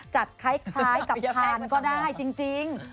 คล้ายกับทานก็ได้จริง